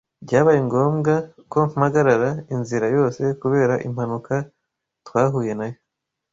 byabaye ngombwa ko mpagarara inzira yose kubera impanuka twhuye nayo.